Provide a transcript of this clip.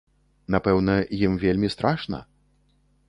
Напэўна, ім вельмі страшна?